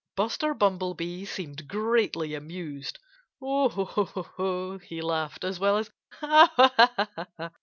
Buster Bumblebee seemed greatly amused. "Ho, ho!" he laughed as well as "Ha, ha!"